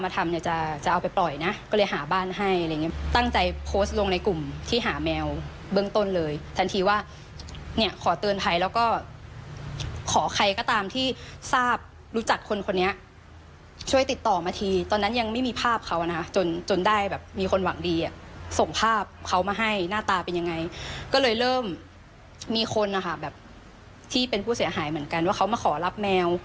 ตั้งใจโพสต์ลงในกลุ่มที่หาแมวเบื้องต้นเลยทันทีว่าเนี้ยขอเตือนไทยแล้วก็ขอใครก็ตามที่ทราบรู้จักคนเนี้ยช่วยติดต่อมาทีตอนนั้นยังไม่มีภาพเขานะฮะจนจนได้แบบมีคนหวังดีอ่ะส่งภาพเขามาให้หน้าตาเป็นยังไงก็เลยเริ่มมีคนนะฮะแบบที่เป็นผู้เสียหายเหมือนกันว่าเขา